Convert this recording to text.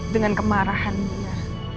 dengan kemarahan dia